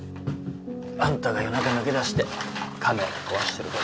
あんたが夜中抜け出してカメラ壊してるとこ。